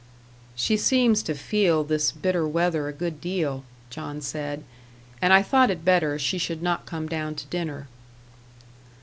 "She seems to feel this bitter weather a good deal," John said; "and I thought it better she should not come down to dinner."